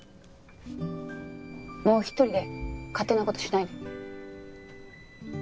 もう一人で勝手な事しないで。